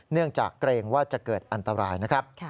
เนื่องจากเกรงว่าจะเกิดอันตรายนะครับ